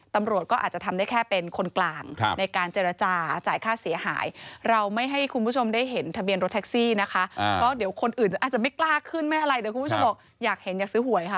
ตำรวจก็อาจจะทำได้แค่เป็นคนกลาง